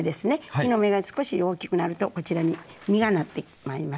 木の芽が少し大きくなるとこちらに実がなってまいりますね。